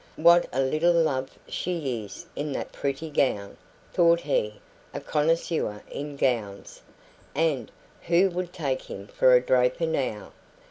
"What a little love she is in that pretty gown," thought he, a connoisseur in gowns. And "Who would take him for a draper now?"